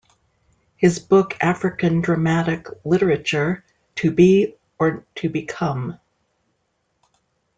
His book African Dramatic Literature: To Be or to Become?